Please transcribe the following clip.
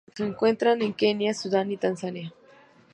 Se encuentra en Kenia, Sudán y Tanzania.